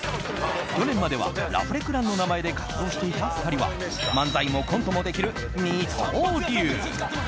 去年まではラフレクランの名前で活動していた２人は漫才もコントもできる二刀流。